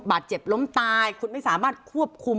บาดเจ็บล้มตายคุณไม่สามารถควบคุม